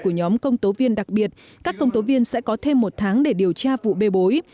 của nhóm công tố viên đặc biệt các công tố viên sẽ có thêm một tháng để điều tra vụ bê bối